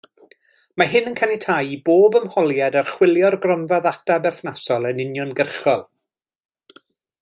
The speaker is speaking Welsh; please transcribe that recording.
Mae hyn yn caniatáu i bob ymholiad archwilio'r gronfa ddata berthnasol yn uniongyrchol.